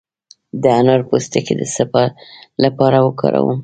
د انار پوستکی د څه لپاره وکاروم؟